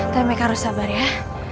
tapi mereka harus sabar ya